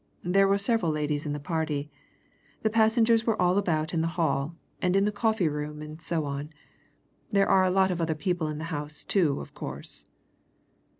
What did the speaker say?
There were several ladies in the party the passengers were all about in the hall, and in the coffee room, and so on. There are a lot of other people in the house, too, of course."